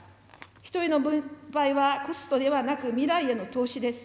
人への分配はコストではなく未来への投資です。